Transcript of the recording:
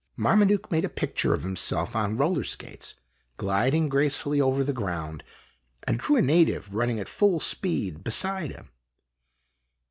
Marmaduke made a picture of himself on roller skates, gliding gracefully over the ground, and drew a native running at full speed beside him.